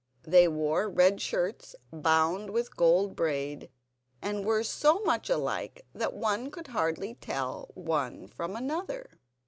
They wore red shirts bound with gold braid, and were so much alike that one could hardly tell one from another.